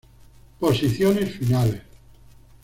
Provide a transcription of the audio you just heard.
Posiciones Finales